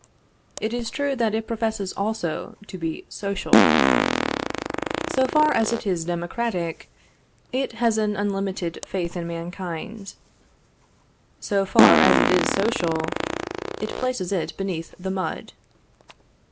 It is true that it professes also to be social. So far as it is democratic, it, has an unlimited faith in mankind. So far as it is social, it places it beneath the mud.